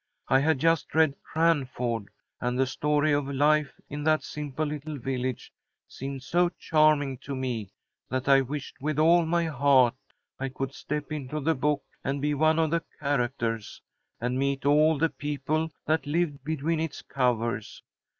I had just read 'Cranford,' and the story of life in that simple little village seemed so charming to me that I wished with all my heart I could step into the book and be one of the characters, and meet all the people that lived between its covers.